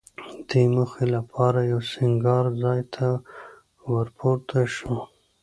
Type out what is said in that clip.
دې موخې لپاره یوه سینګار ځای ته ورپورته شوه.